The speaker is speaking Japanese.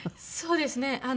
そうですね。